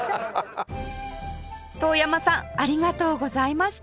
遠山さんありがとうございました